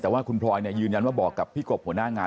แต่ว่าคุณพลอยยืนยันว่าบอกกับพี่กบหัวหน้างาน